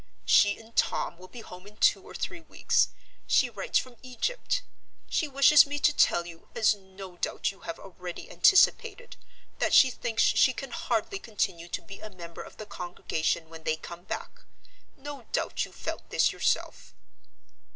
She and Tom will be home in two or three weeks. She writes from Egypt. She wishes me to tell you, as no doubt you have already anticipated, that she thinks she can hardly continue to be a member of the congregation when they come back. No doubt you felt this yourself?"